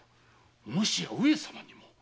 もしや上様にも？